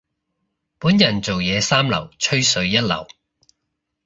本人做嘢三流，吹水一流。